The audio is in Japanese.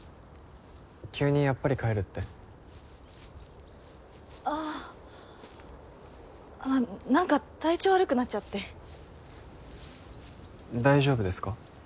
急にやっぱり帰るってあああっ何か体調悪くなっちゃって大丈夫ですか？